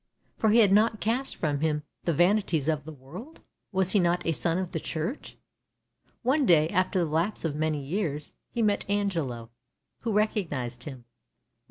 For he had not cast from him the vanities of the world ? Was he not a son of the Church ? One day, after the lapse of many years, he met Angelo, who recognised him.